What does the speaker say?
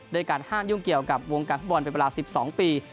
การห้ามยุ่งเกี่ยวกับวงการฟุตบอลเป็นเวลา๑๒ปี